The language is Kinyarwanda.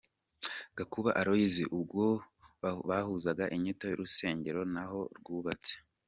Gakuba Aloys, ubwo bahuzaga inyito y’urusengero naho rwubatse.